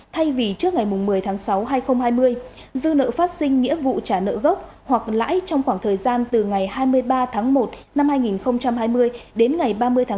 thay vì trước ngày một mươi sáu hai nghìn hai mươi dư nợ phát sinh nghĩa vụ trả nợ gốc hoặc lãi trong khoảng thời gian từ ngày hai mươi ba một hai nghìn hai mươi đến ngày ba mươi sáu hai nghìn hai mươi hai